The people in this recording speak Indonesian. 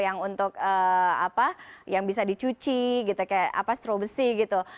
yang untuk apa yang bisa dicuci gitu kayak apa strobesi gitu